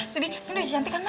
sini sini udah dicantikkan ma